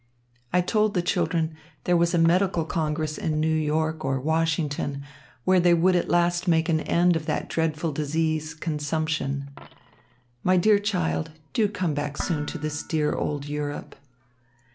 I told the children there was a medical congress in New York or Washington, where they would at last make an end of that dreadful disease, consumption. My dear child, do come back soon to this dear old Europe.